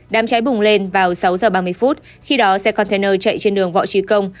đám cháy bùng lên vào sáu h ba mươi phút khi đó xe container chạy trên đường võ trí công